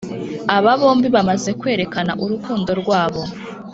aba bombi bamaze kwereka urukundo rwabo